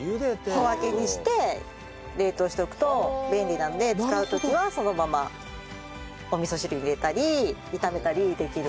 小分けにして冷凍しておくと便利なので使う時はそのままお味噌汁に入れたり炒めたりできる。